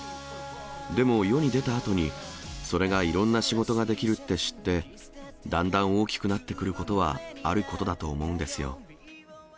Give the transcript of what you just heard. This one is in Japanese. でも世に出たあとに、それがいろんな仕事ができるって知って、だんだん大きくなってくることはあることだと思うんですよ。